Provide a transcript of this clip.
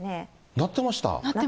鳴ってました。